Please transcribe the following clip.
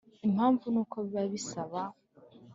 Impamvu ni uko biba bisaba